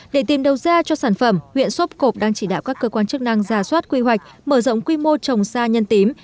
để tìm đầu ra cho sản phẩm huyện sốp cộp đang chỉ đạo các cơ quan chức năng ra soát quy hoạch mở rộng quy mô trồng san tím